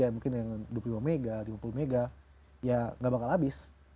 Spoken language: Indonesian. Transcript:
tapi kalau kita beli oxygene mungkin yang dua puluh lima mbps lima puluh mbps ya ga bakal habis